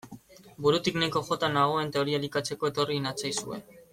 Burutik nahiko jota nagoen teoria elikatzeko etorri natzaizue.